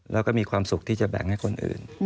แล้วก็มีความสุขที่จะแบ่งให้คนอื่น